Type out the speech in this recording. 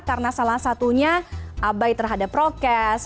karena salah satunya abai terhadap prokes